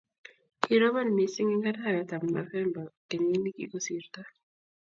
kirobon mising' eng' arawetab Novemba kenyit ne kikosirto.